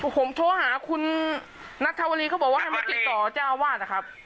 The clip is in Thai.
ผมโทรหาคุณนัทธวรีเขาบอกว่าให้มาติดต่อเจ้าอาวาสนะครับ